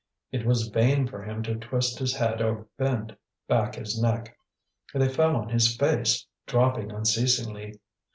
It was vain for him to twist his head or bend back his neck. They fell on his face, dropping unceasingly.